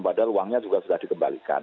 padahal uangnya juga sudah dikembalikan